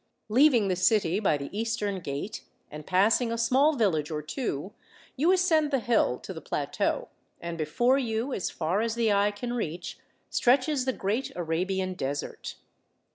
Leaving the city by the eastern gate, and passing a small village or two, you ascend the hill to the plateau, and before you, as far as the eye can reach, stretches the great Arabian Desert.